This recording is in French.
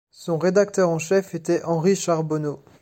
Son rédacteur en chef était Henry Charbonneau.